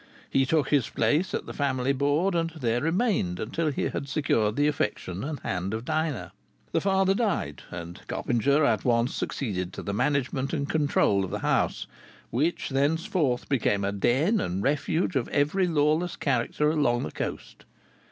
He took his place at the family board, and there remained until he had secured the affections and hand of Dinah. The father died, and Coppinger at once succeeded to the management and control of the house, which thenceforth became a den and refuge of every lawless character along the coast.